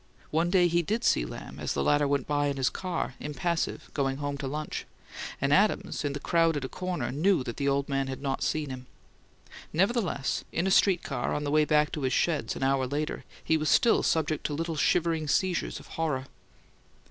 One day he did see Lamb, as the latter went by in his car, impassive, going home to lunch; and Adams, in the crowd at a corner, knew that the old man had not seen him. Nevertheless, in a street car, on the way back to his sheds, an hour later, he was still subject to little shivering seizures of horror.